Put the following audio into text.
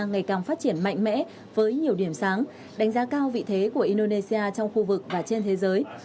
ngày càng phát triển mạnh mẽ với nhiều điểm sáng đánh giá cao vị thế của indonesia trong khu vực và trên thế giới